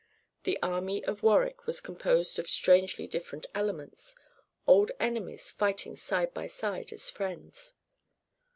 The army of Warwick was composed of strangely different elements old enemies fighting side by side as friends.